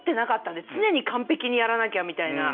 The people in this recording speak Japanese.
常に完璧にやらなきゃみたいな。